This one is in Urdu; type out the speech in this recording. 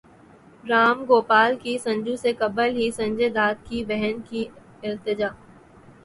رام گوپال کی سنجو سے قبل ہی سنجے دت کی بہن کی التجا